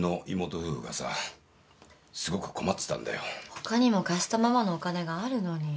他にも貸したままのお金があるのに。